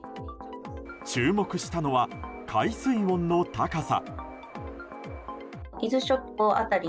注目したのは海水温の高さ。